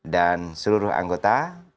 dan seluruh anggota